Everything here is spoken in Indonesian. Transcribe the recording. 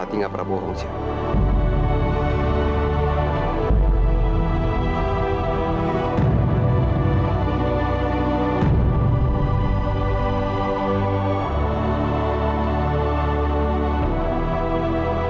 tidur untuk selamanya